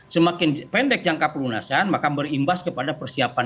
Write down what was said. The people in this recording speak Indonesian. semakin pendek jangka pelunasan maka berimbas kepada persiapan